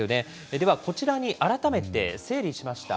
では、こちらに改めて整理しました。